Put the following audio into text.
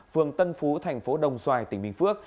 phường tân phú thành phố đồng xoài tỉnh bình phước